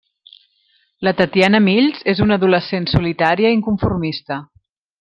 La Tatiana Mills és una adolescent solitària i inconformista.